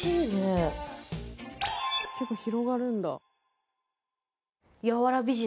結構広がるんだ。